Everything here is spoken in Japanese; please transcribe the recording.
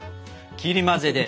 切り混ぜで。